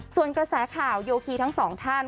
ส่วนกระแสข่าวโยคีทั้งสองท่าน